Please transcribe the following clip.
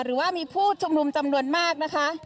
หรือว่ามีผู้ชุมนุมจำนวนมากนะคะ